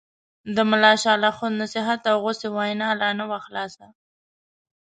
د ملا شال اخُند نصیحت او غوسې وینا لا نه وه خلاصه.